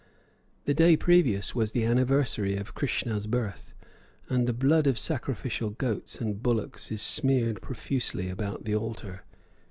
The day previous was the anniversary of Krishna's birth, and the blood of sacrificial goats and bullocks is smeared profusely about the altar.